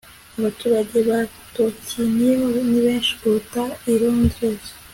Abaturage ba Tokiyo ni benshi kuruta i Londres